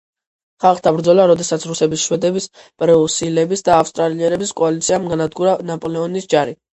ხალხთა ბრძოლა, როდესაც რუსების, შვედების, პრუსიელების და ავსტრიელების კოალიციამ გაანადგურა ნაპოლეონის ჯარი.